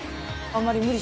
あんまり。